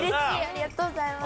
ありがとうございます。